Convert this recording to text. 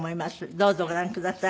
どうぞご覧ください。